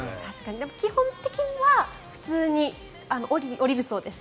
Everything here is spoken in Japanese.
基本的には普通に下りるそうです。